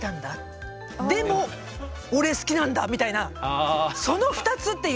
でも俺好きなんだ」みたいなその２つっていう。